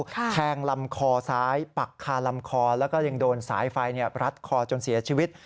แทงลำคอซ้ายปักคาลำคอแล้วก็ยังโดนสายไฟรัดคอจนเสียชีวิต